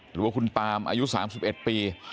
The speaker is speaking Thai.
หรือว่าคุณปามอายุ๓๑ปี